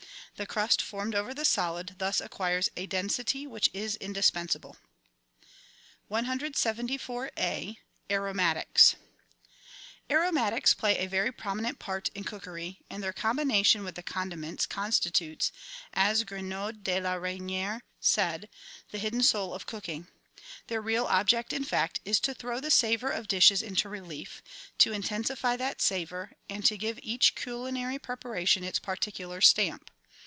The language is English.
The crust formed over the solid thus acquires a density which is indispensable. 174a— AROMATICS Aromatics play a very prominent part in cookery, and their combination with the condiments constitutes, as Grinod de la Reyni^re said, "the hidden soul of cooking." Their real object, in fact, is to throw the savour of dishes into relief, to intensify that savour, and to give each culinary preparation its particular stamp.